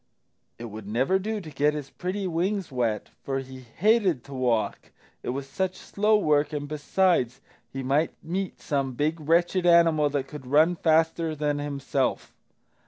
It would never do to get his pretty wings wet, for he hated to walk it was such slow work and, besides, he might meet some big wretched animal that could run faster than himself.